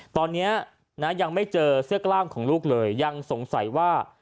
ตอนนี้นะยังไม่เจอเสื้อกล้ามของลูกเลยยังสงสัยว่า